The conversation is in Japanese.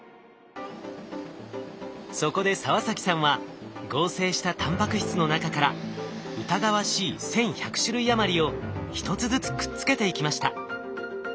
そこで澤崎さんは合成したタンパク質の中から疑わしい１，１００種類余りを一つずつくっつけていきました。